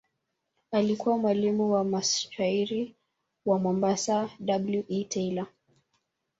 Alikuwa mwalimu wa mshairi wa Mombasa W. E. Taylor.